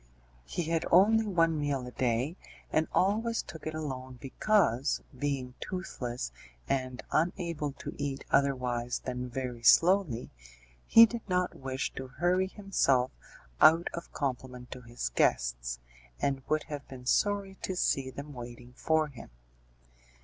He had only one meal a day, and always took it alone because, being toothless and unable to eat otherwise than very slowly, he did not wish to hurry himself out of compliment to his guests, and would have been sorry to see them waiting for him.